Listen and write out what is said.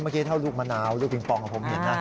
เมื่อกี้เท่าลูกมะนาวลูกปิงปองผมเห็นนะ